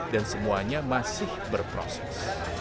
dan semuanya masih berproses